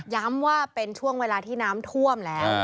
ย้ำว่าเป็นช่วงเวลาที่น้ำท่วมแล้ว